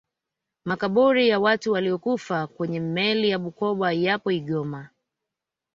makabuli ya watu waliyokufa kwenye meli ya bukoba yapo igoma